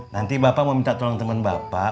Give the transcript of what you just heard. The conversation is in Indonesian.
nanti bapak mau minta tolong teman bapak